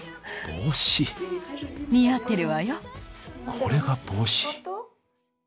これが帽子？